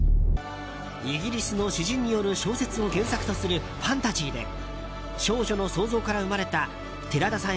イギリスの詩人による小説を原作とするファンタジーで少女の想像から生まれた寺田さん